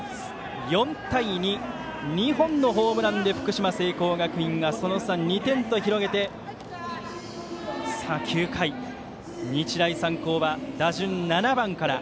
４対２、２本のホームランで福島・聖光学院がその差、２点と広げて９回、日大三高は打順７番から。